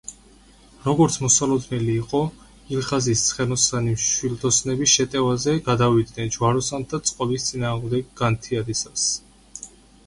როგორც მოსალოდნელი იყო, ილღაზის ცხენოსანი მშვილდოსნები შეტევაზე გადავიდნენ ჯვაროსანთა წყობის წინააღმდეგ განთიადისას.